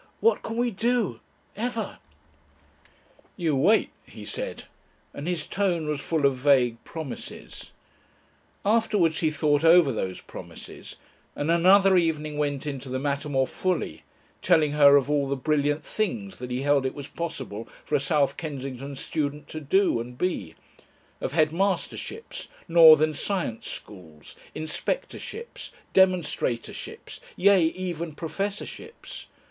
"What can we do? ever?" "You wait," he said, and his tone was full of vague promises. Afterwards he thought over those promises, and another evening went into the matter more fully, telling her of all the brilliant things that he held it was possible for a South Kensington student to do and be of headmasterships, northern science schools, inspectorships, demonstratorships, yea, even professorships.